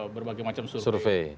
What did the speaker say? berbagai macam survei